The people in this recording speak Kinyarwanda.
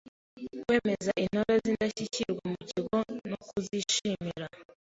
Kwemeza Intore z’indashyikirwa mu kigo no kuzishimira;